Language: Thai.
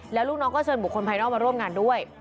แล้วลูกน้องก็เชิญบุคคลภายนอกมาร่วมงานด้วย